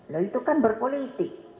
loh itu kan berpolitik